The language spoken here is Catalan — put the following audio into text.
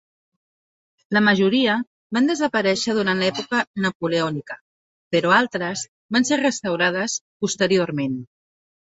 La majoria van desaparèixer durant l'època napoleònica, però altres van ser restaurades posteriorment.